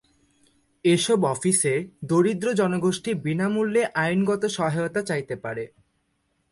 এসব অফিসে দরিদ্র জনগোষ্ঠী বিনামূল্যে আইনগত সহায়তা চাইতে পারে।